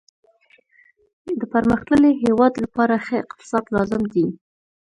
د پرمختللي هیواد لپاره ښه اقتصاد لازم دی